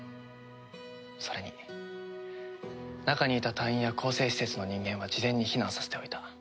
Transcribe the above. それに中にいた隊員や更生施設の人間は事前に避難させておいた。